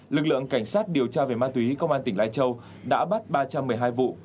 lực lượng cảnh sát điều tra về ma túy công an tỉnh lai châu đã bắt ba trăm một mươi hai vụ